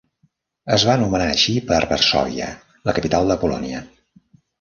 Es va anomenar així per Varsòvia, la capital de Polònia.